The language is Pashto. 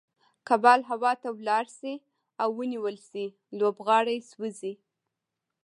که بال هوا ته ولاړ سي او ونيول سي؛ لوبغاړی سوځي.